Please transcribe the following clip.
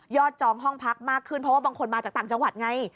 จองห้องพักมากขึ้นเพราะว่าบางคนมาจากต่างจังหวัดไง